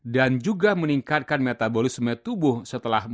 dan juga meningkatkan metabolisme tubuh setelah menikah